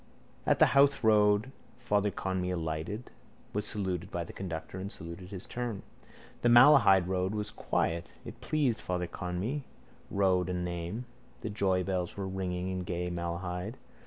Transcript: At the Howth road stop Father Conmee alighted, was saluted by the conductor and saluted in his turn. The Malahide road was quiet. It pleased Father Conmee, road and name. The joybells were ringing in gay Malahide.